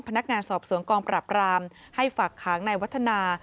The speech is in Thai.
พนักงานสอบสวนกองปราบรามให้ฝากขังในวัฒนา